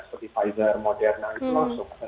seperti pfizer moderna itu langsung